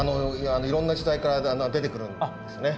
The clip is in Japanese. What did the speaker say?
いろんな時代から出てくるんですね。